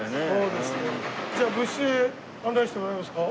じゃあ部室へ案内してもらえますか？